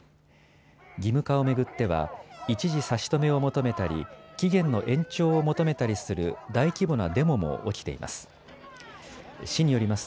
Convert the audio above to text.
義務化を巡っては一時、差し止めを求めたり期限の延長を求めたりする大規模なデモも起きています。